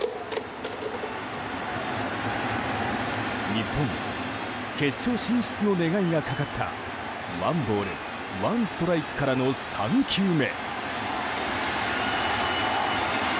日本、決勝進出の願いがかかったワンボールワンストライクからの３球目。